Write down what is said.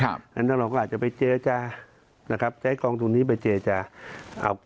อันนั้นเราก็อาจจะไปเจจานะครับใจกองทุนนี้ไปเจจา